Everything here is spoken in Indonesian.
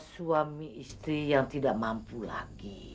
suami istri yang tidak mampu lagi